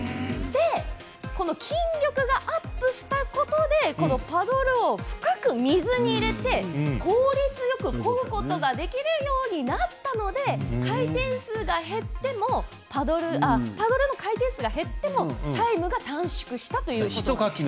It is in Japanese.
この筋力がアップしたことでパドルを深く水に入れて効率よくこぐことができるようになったのでパドルの回転数が減ってもタイムが短縮したということなんです。